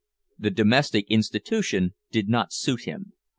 The domestic institution did not suit him.